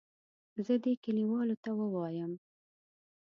زه دې کلیوالو ته ووایم.